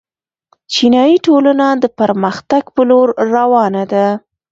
چینايي ټولنه د پرمختګ په لور روانه ده.